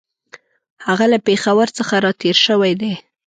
هغه له پېښور څخه را تېر شوی دی.